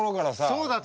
そうだった！